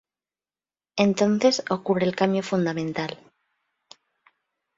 Entonces ocurre el cambio fundamental.